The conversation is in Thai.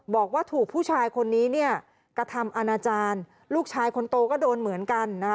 บอกว่าถูกผู้ชายคนนี้เนี่ยกระทำอาณาจารย์ลูกชายคนโตก็โดนเหมือนกันนะคะ